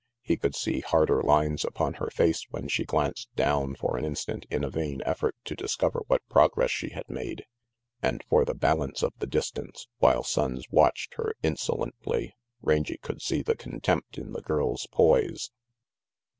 He could see harder lines upon her face when she glanced down for an instant in a vain effort to discover what progress she had made; and for the balance of the distance, while Sonnes watched her insolently, Rangy could see the contempt in the girl's poise.